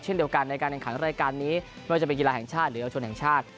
เดียวกันในการแข่งขันรายการนี้ไม่ว่าจะเป็นกีฬาแห่งชาติหรือเยาวชนแห่งชาติ